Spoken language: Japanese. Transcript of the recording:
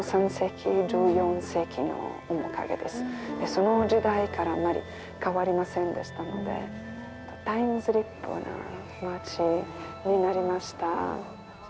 その時代からあまり変わりませんでしたのでタイムスリップな町になりました。